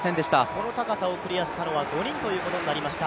この高さをクリアしたのは５人ということになりました。